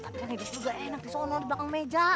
tapi kan hidup lu gak enak disono di belakang meja